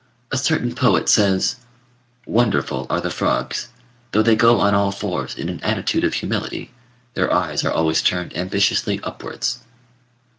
A certain poet says "Wonderful are the frogs! Though they go on all fours in an attitude of humility, their eyes are always turned ambitiously upwards."